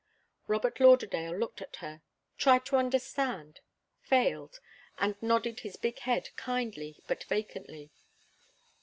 Robert Lauderdale looked at her, tried to understand, failed, and nodded his big head kindly but vacantly.